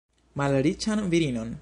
Malriĉan virinon!